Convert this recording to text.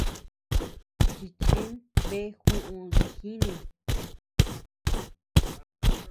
Chichen bea juú dijinuy.